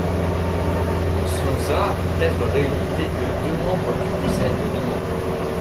Le Cosenza peut être réuni dès que deux membres du conseil le demande.